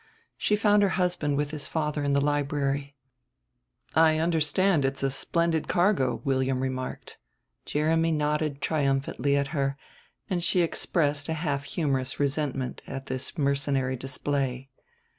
She found her husband with his father in the library. "I understand it's a splendid cargo," William remarked. Jeremy nodded triumphantly at her, and she expressed a half humorous resentment at this mercenary display.